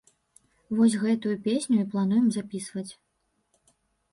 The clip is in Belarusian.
Вось гэтую песню і плануем запісваць.